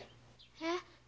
えっ？